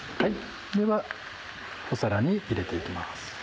ではお皿に入れていきます。